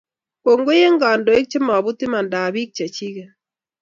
Kongoi en kandoik che maput imanadaab pik che chiket